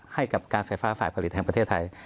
ให้กับการไฟฟ้าฝ่ายผลิตแห่งประเทศไทย